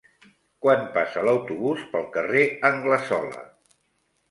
Quan passa l'autobús pel carrer Anglesola?